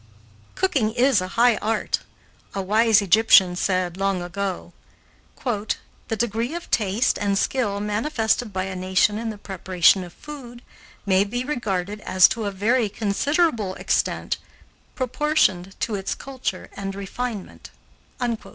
Cooking is a high art. A wise Egyptian said, long ago: "The degree of taste and skill manifested by a nation in the preparation of food may be regarded as to a very considerable extent proportioned to its culture and refinement."